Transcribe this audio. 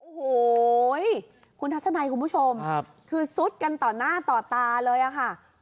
โอ้โหคุณทัศนัยคุณผู้ชมคือซุดกันต่อหน้าต่อตาเลยอะค่ะ